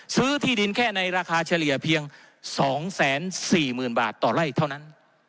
ที่ดินแค่ในราคาเฉลี่ยเพียง๒๔๐๐๐บาทต่อไร่เท่านั้น